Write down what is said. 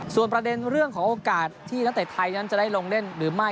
ส่วนประเด็นเรื่องของโอกาสที่นักเตะไทยนั้นจะได้ลงเล่นหรือไม่